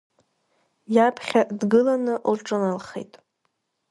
Иаԥхьа дгыланы лҿыналхеит.